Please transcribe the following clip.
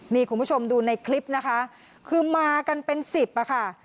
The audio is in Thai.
นี่คุณผู้ชมดูในคลิปนะคะคือมากันเป็นสิบอ่ะค่ะ